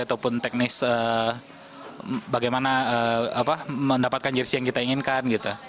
ataupun teknis bagaimana mendapatkan jersi yang kita inginkan